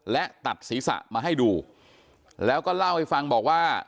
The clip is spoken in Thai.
และตัดศีรษะมาให้ดูแล้วก็เล่าให้ฟังบอกว่า